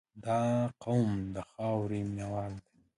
• دا قوم د خاورې مینه وال دي.